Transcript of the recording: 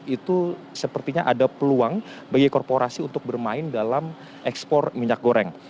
itu sepertinya ada peluang bagi korporasi untuk bermain dalam ekspor minyak goreng